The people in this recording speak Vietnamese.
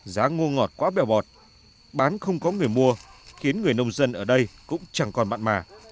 giá ngô ngọt quá bẻo bọt bán không có người mua khiến người nông dân ở đây cũng chẳng còn mặn mà